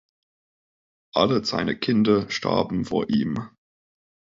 Alle seine Kinder starben vor ihm.